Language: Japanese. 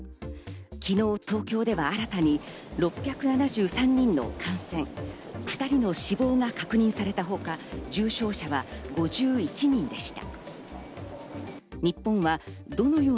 昨日、東京では新たに６７３人の感染、２人の死亡が確認されたほか、重症者は５１人でした。